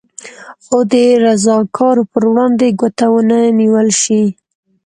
خو د رضاکارو پر وړاندې ګوته ونه نېول شي.